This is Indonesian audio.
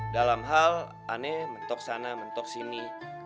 dalam hal aneh mentok sana mentok sini